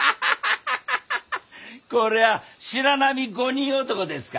これは「白浪五人男」ですか？